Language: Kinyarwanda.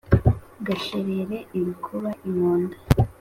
gashirere ibikoba inkonda ;